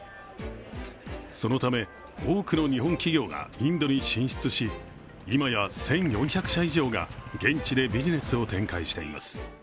そのため、多くの日本企業がインドに進出し今や１４００社以上が現地でビジネスを展開しています。